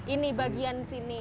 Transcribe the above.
ini bagian sini